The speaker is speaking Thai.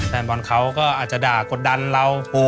แฟนบอลเขาก็อาจจะด่ากดดันเรา